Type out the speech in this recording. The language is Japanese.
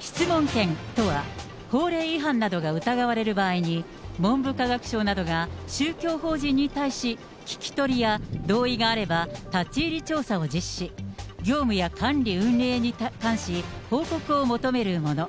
質問権とは、法令違反などが疑われる場合に、文部科学省などが、宗教法人に対し、聞き取りや同意があれば立ち入り調査を実施、業務や管理運営に関し、報告を求めるもの。